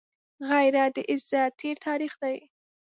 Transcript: غیرت د عزت تېر تاریخ دی